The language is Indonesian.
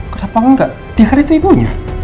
kok dia tahu gak dia ada itu ibunya